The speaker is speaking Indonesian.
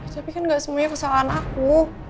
tapi kan gak semuanya kesalahan aku